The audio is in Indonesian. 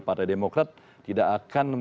para demokrat tidak akan